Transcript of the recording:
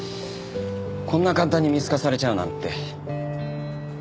こんな簡単に見透かされちゃうなんて。